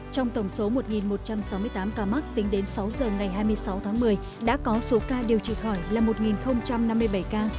trong tổng số một một trăm sáu mươi tám ca mắc tính đến sáu giờ ngày hai mươi sáu tháng một mươi đã có số ca điều trị khỏi là một năm mươi bảy ca